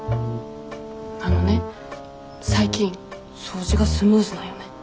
あのね最近掃除がスムーズなんよね。